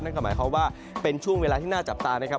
นั่นก็หมายความว่าเป็นช่วงเวลาที่น่าจับตานะครับ